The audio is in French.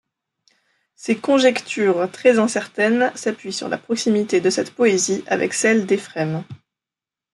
Ces conjectures, très incertaines, s'appuient sur la proximité de cette poésie avec celle d'Éphrem.